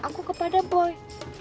aku kepada boy